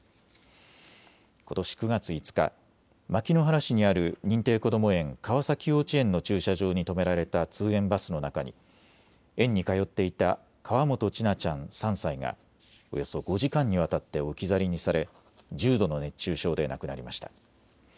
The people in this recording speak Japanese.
ことし９月５日、牧之原市にある認定こども園川崎幼稚園の駐車場に止められた通園バスの中に園に通っていた河本千奈ちゃん３歳がおよそ５時間にわたって置き去りにされ、重度の熱中症で亡くなりました。